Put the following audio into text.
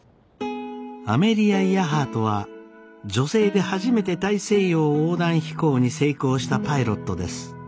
アメリア・イヤハートは女性で初めて大西洋横断飛行に成功したパイロットです。